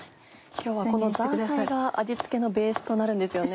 今日はこのザーサイが味付けのベースとなるんですよね。